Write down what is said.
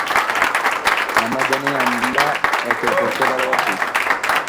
আমরা জানি আমরা একে-অপরকে ভালোবাসি।